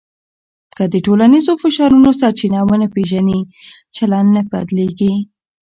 که د ټولنیزو فشارونو سرچینه ونه پېژنې، چلند نه بدلېږي.